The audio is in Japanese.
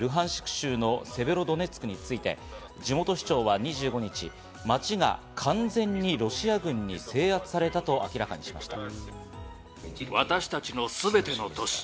州のセベロドネツクについて、地元市長は２５日、町が完全にロシア軍に制圧されたと明らかにしました。